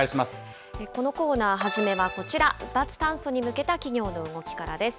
このコーナー、初めはこちら、脱炭素に向けた企業の動きからです。